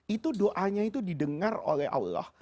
itu doanya itu didengar oleh allah